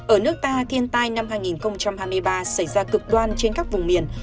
ở nước ta thiên tai năm hai nghìn hai mươi ba xảy ra cực đoan trên các vùng miền